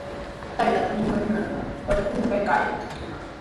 Taytaapa minkayninkunaqa patra hunta kaykaayan.